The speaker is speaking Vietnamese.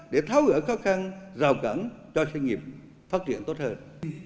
để tháo gỡ khó khăn rào cẳng cho doanh nghiệp phát triển tốt hơn